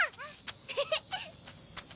フフッ。